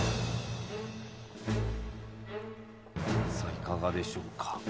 いかがでしょうか？